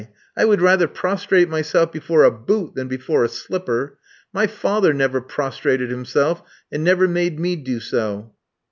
I would rather prostrate myself before a boot than before a slipper. My father never prostrated himself, and never made me do so."